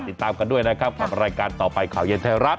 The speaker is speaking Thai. ติดตามกันด้วยนะครับกับรายการต่อไปข่าวเย็นไทยรัฐ